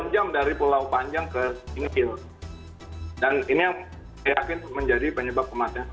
jadi kalau anjing itu bisa bernapas